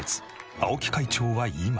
青木会長は今。